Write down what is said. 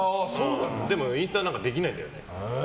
でもインスタはできないんだよ。